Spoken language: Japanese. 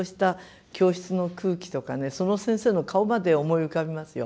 その先生の顔まで思い浮かびますよ。